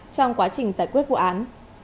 trong quá trình giải quyết vụ án